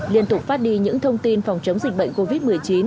liên tục phát đi những thông tin phòng chống dịch bệnh covid một mươi chín